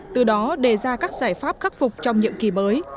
từ đó đề ra các giải pháp khắc phục trong nhiệm kỳ mới